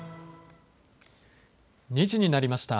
２時になりました。